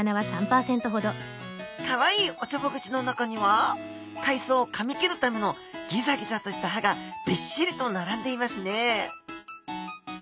かわいいおちょぼ口の中には海藻をかみ切るためのギザギザとした歯がビッシリと並んでいますね